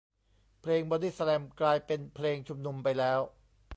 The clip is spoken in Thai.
เพลงบอดี้สแลมกลายเป็นเพลงชุมนุมไปแล้ว